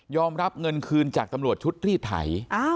รับเงินคืนจากตำรวจชุดรีดไถ